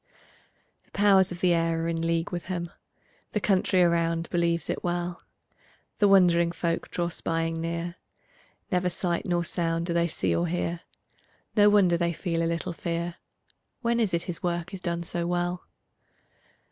The powers of the air are in league with him; The country around believes it well; The wondering folk draw spying near; Never sight nor sound do they see or hear; No wonder they feel a little fear; When is it his work is done so well?